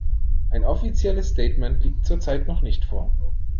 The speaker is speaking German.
Ein offizielles Statement liegt zurzeit noch nicht vor.